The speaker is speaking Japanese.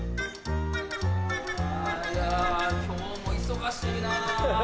あ今日も忙しいな。